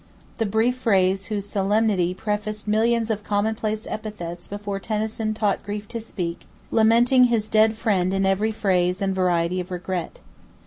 The brief phrase whose solemnity prefaced millions of common place epitaphs before Tennyson taught grief to speak, lamenting his dead friend in every phase and variety of regret.